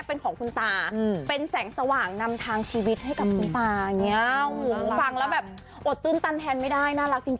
โอ้ย